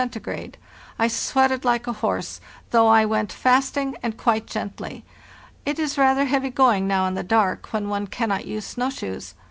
I sweated like a horse, though I went fasting and quite gently. It is rather heavy going now in the dark when one cannot use snow shoes.